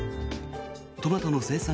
トマトの生産